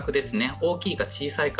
大きいか、小さいか。